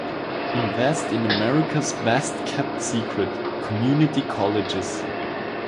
invest in America’s best-kept secret: community colleges.